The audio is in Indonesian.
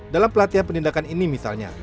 dalam pelatihan penindakan ini misalnya